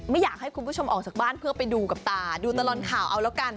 อยากให้คุณผู้ชมออกจากบ้านเพื่อไปดูกับตาดูตลอดข่าวเอาแล้วกัน